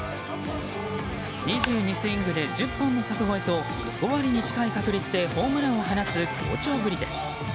２２スイングで１０本の柵越えと５割に近い確率でホームランを放つ好調ぶりです。